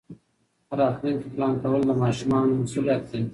د راتلونکي پلان کول د ماشومانو مسؤلیت دی.